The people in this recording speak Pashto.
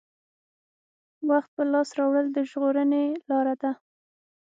وخت په لاس راوړل د ژغورنې لاره ده.